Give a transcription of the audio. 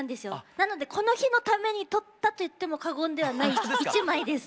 なのでこの日のために撮ったと言っても過言ではない一枚です。